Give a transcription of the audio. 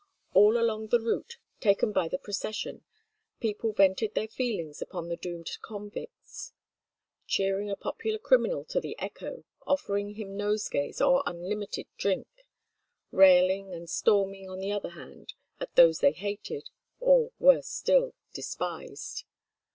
All along the route taken by the procession people vented their feelings upon the doomed convicts: cheering a popular criminal to the echo, offering him nosegays or unlimited drink; railing and storming, on the other hand, at those they hated or, worse still, despised.